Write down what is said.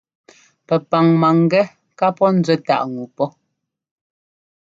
Pɛpaŋ mangɛ́ ká pɔ́ nzuɛ táʼ ŋu pɔ́.